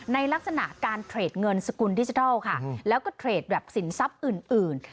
ในลักษณะการเทรดเงินสกุลดิจิทัลค่ะแล้วก็เทรดแบบสินทรัพย์อื่น